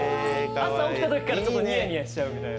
朝起きたときからニヤニヤしちゃうみたいな。